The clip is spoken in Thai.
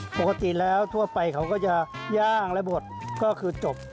ปกติแล้วทั่วไปเขาก็จะย่างและบดก็คือจบ